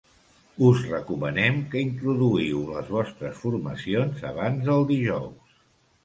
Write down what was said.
Us recomanem que introduïu les vostres formacions abans del dijous.